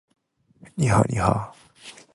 借两万块给她应急